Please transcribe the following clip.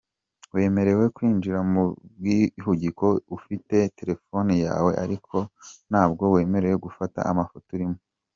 Wemerewe kwinjira mu bwihugiko ufite telefoni yawe ariko ntabwo wemerewe gufata amafoto urimo.